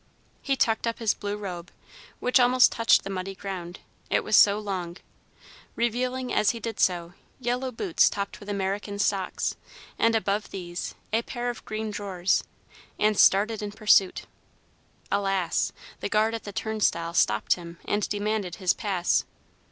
He tucked up his blue robe, which almost touched the muddy ground, it was so long, revealing, as he did so, yellow boots topped with American socks, and, above these, a pair of green drawers, and started in pursuit. Alas! the guard at the turnstile stopped him, and demanded his pass.